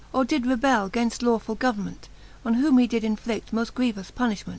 Or did rebell gainfl lawfuU government ; On whom he did jnflidt moil grievous puniihment.